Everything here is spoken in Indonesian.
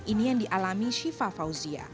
ini yang dialami syifa fauzia